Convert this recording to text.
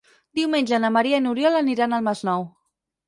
Diumenge na Maria i n'Oriol aniran al Masnou.